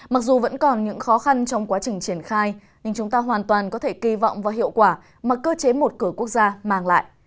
mặc dù vẫn còn những khó khăn trong quá trình triển khai nhưng chúng ta hoàn toàn có thể kỳ vọng và hiệu quả mà cơ chế một cửa quốc gia mang lại